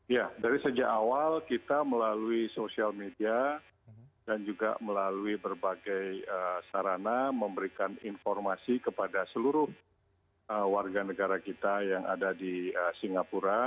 ya dari sejak awal kita melalui sosial media dan juga melalui berbagai sarana memberikan informasi kepada seluruh warga negara kita yang ada di singapura